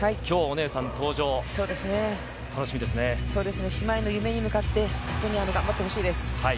姉妹の夢に向かって本当に頑張ってほしいです。